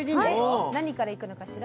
何から行くのかしら？